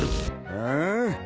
ああ？